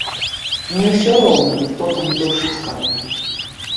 Не ўсё роўна, хто там душыць каго!